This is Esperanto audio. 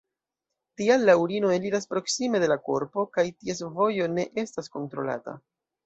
Tial la urino eliras proksime de la korpo kaj ties vojo ne estas kontrolata.